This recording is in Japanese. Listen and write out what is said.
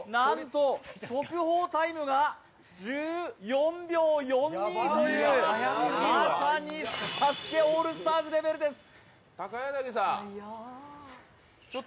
速報タイムが１４秒４２というまさに「ＳＡＳＵＫＥ」オールスターズレベルです。